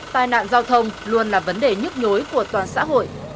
tai nạn giao thông luôn là vấn đề nhức nhối của toàn xã hội